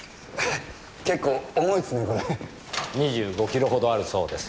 ２５キロほどあるそうですよ。